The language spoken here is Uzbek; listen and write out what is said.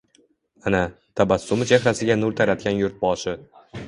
Ana, tabassumi chehrasiga nur taratgan yurtboshi.